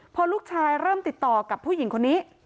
พอลูกชายเริ่มติดต่อกับผู้หญิงคนนี้